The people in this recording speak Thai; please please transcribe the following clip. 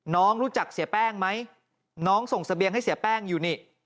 น้องรู้จักเสียแป้งไหมน้องส่งเสบียงให้เสียแป้งอยู่นี่